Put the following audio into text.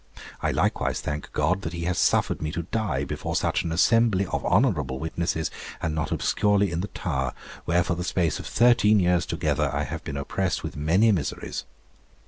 I likewise thank God that He has suffered me to die before such an assembly of honourable witnesses, and not obscurely in the Tower, where for the space of thirteen years together I have been oppressed with many miseries.